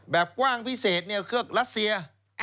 แบบกว้างพิเศษรัฐเซีย